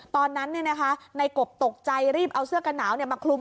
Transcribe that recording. ตอนนั้นเนี้ยนะคะในกบตกใจรีบเอาเสื้อกระหนาวเนี้ยมาคลุม